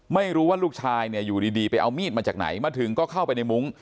ไม่รู้ว่าลูกชายเนี่ยอยู่ดีไปเอามีดมาจากไหนมาถึงก็เข้าไปในมุ้ง